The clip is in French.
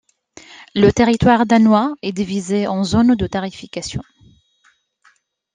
Le territoire danois est divisée en zones de tarification.